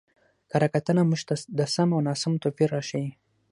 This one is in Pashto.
کره کتنه موږ ته د سم او ناسم توپير راښيي.